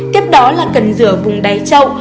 tiếp đó là cần rửa vùng đáy trâu